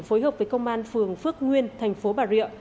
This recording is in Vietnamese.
phối hợp với công an phường phước nguyên thành phố bà rịa